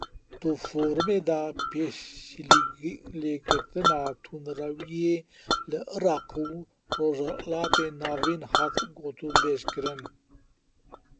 Di Forumê de Pêşîlêgirtina tundrewiyê li Iraq û Rojhilatê Navîn hat gotûbêjkirin.